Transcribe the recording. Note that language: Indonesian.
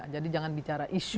jadi jangan bicara isu